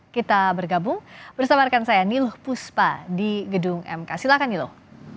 kita bergabung bersama rekan saya niluh puspa di gedung mk silahkan niloh